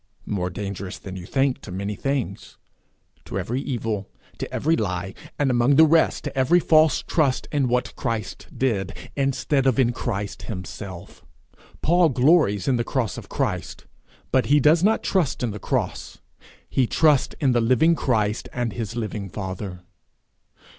More dangerous than you think to many things to every evil, to every lie, and among the rest to every false trust in what Christ did, instead of in Christ himself. Paul glories in the cross of Christ, but he does not trust in the cross: he trusts in the living Christ and his living father.